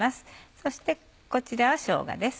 そしてこちらはしょうがです。